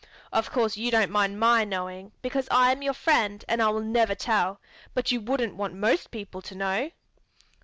Of course you don't mind my knowing, because I am your friend and I will never tell; but you wouldn't want most people to know?"